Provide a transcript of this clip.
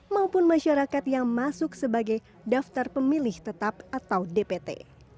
maupun masyarakat yang masuk sebagai daftar pemilih tetap atau dpt